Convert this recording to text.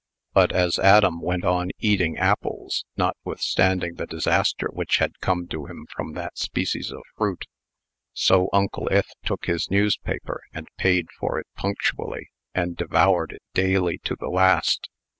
But, as Adam went on eating apples, notwithstanding the disaster which had come to him from that species of fruit, so Uncle Ith took his newspaper, and paid for it punctually, and devoured it daily to the last.